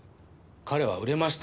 彼は売れましたよ。